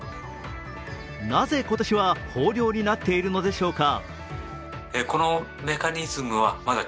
なぜ今年は豊漁になっているのでしょうか。